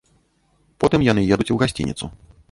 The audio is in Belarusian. Потым яны едуць у гасцініцу.